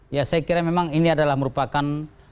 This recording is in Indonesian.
ya saya kira memang ini adalah merupakan